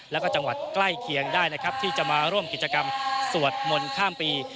แล้วก็จังหวัดใกล้เคียงได้นะครับที่จะมาร่วมกิจกรรมสวดมนต์ข้ามปี